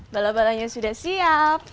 balai balainya sudah siap